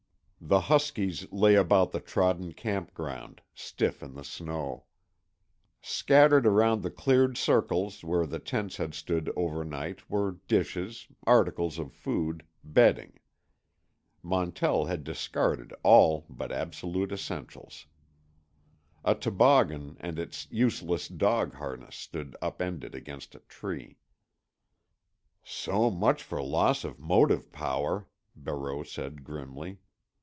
The huskies lay about the trodden campground, stiff in the snow. Scattered around the cleared circles where the tents had stood overnight were dishes, articles of food, bedding. Montell had discarded all but absolute essentials. A toboggan and its useless dog harness stood upended, against a tree. "So much for loss of motive power," Barreau said grimly.